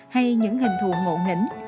hay những hình thù ngộ nghĩnh